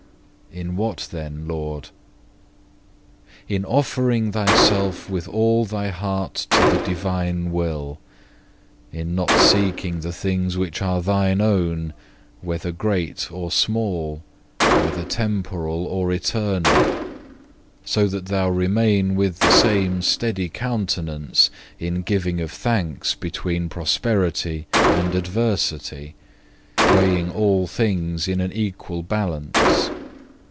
4. In what then, Lord? 5. "In offering thyself with all thy heart to the Divine Will, in not seeking the things which are thine own, whether great or small, whether temporal or eternal; so that thou remain with the same steady countenance in giving of thanks between prosperity and adversity, weighing all things in an equal balance.